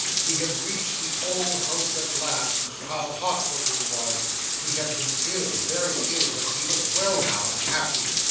He had reached the old house at last how hot the room was. He had been ill, very ill, but he was well now, and happy.